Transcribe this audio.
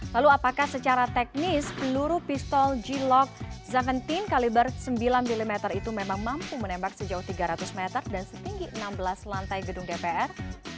lalu apakah secara teknis peluru pistol g lock tujuh belas kaliber sembilan mm itu memang mampu menembak sejauh tiga ratus meter dan setinggi enam belas lantai gedung dpr